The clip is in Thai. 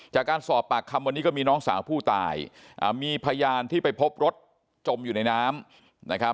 จากการสอบปากคำวันนี้ก็มีน้องสาวผู้ตายมีพยานที่ไปพบรถจมอยู่ในน้ำนะครับ